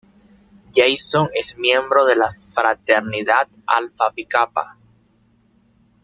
Jason es miembro de la Fraternidad Alfa Pi Kappa.